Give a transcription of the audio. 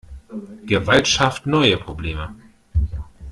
Gewalt schafft neue Probleme.